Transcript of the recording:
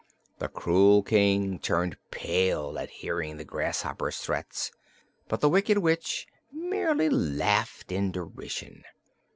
The cruel King turned pale at hearing the grasshopper's threats, but the Wicked Witch merely laughed in derision.